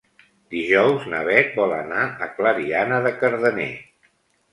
Dijous na Bet vol anar a Clariana de Cardener.